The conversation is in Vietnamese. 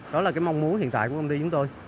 đó là cái mong muốn hiện tại của công ty chúng tôi